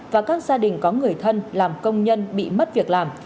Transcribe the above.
và các gia đình có người thân làm công nhân bị mất việc làm